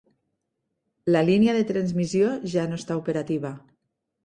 La línia de transmissió ja no està operativa.